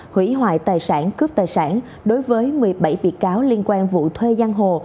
hủy hoại tài sản cướp tài sản đối với một mươi bảy bị cáo liên quan vụ thuê giang hồ